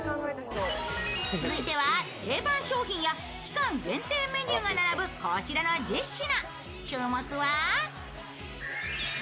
続いては定番商品や期間限定メニューが並ぶこちらの１０品。